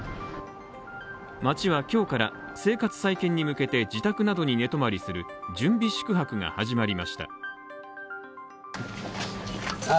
町は今日から、生活再建に向けて自宅などに寝泊まりする準備宿泊が始まりました。